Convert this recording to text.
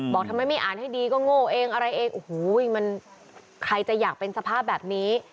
บอกทำไมไม่อ่านให้ดีก็โง่เองอะไรเองโอ้โหมันใครจะอยากเป็นสภาพแบบนี้